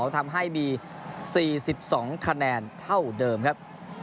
ทำให้มี๔๒คะแนนเท่าเดิมครับ